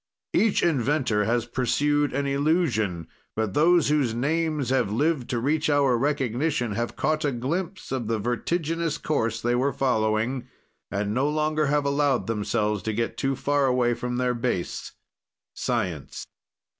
"Each inventor has pursued an illusion, but those whose names have lived to reach our recognition, have caught a glimpse of the vertiginous course they were following, and no longer have allowed themselves to get too far away from their base science.